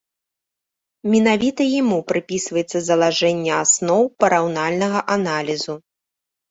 Менавіта яму прыпісваецца залажэнне асноў параўнальнага аналізу.